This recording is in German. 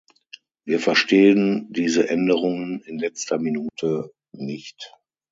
Wir verstehen diese Änderungen in letzter Minute nicht.